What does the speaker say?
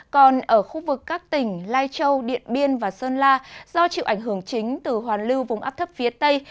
còn ở khu vực các tỉnh lai châu điện biên và sơn la do chịu ảnh hưởng chính từ hoàn lưu vùng áp thấp phía tây